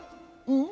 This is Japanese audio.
うん。